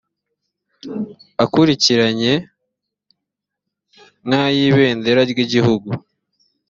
akurikiranye nk ay ibendera ry igihugu